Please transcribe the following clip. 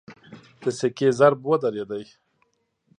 د سکې ضرب ودرېد.